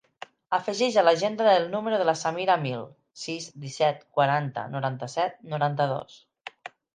Afegeix a l'agenda el número de la Samira Amil: sis, disset, quaranta, noranta-set, noranta-dos.